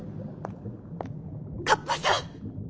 カッパさん！？